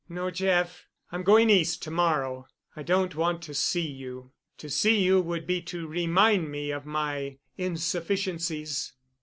"No, Jeff, I'm going East to morrow. I don't want to see you. To see you would be to remind me of my insufficiencies."